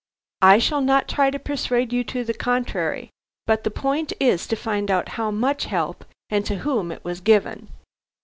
"I shall not try to persuade you to the contrary. But the point is to find out how much help, and to whom it was given."